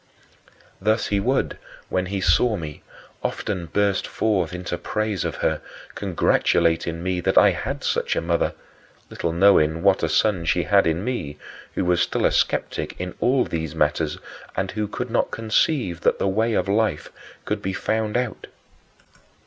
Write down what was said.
" Thus he would, when he saw me, often burst forth into praise of her, congratulating me that I had such a mother little knowing what a son she had in me, who was still a skeptic in all these matters and who could not conceive that the way of life could be found out.